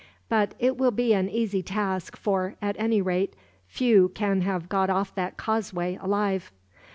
But it will be an easy task for, at any rate, few can have got off that causeway alive."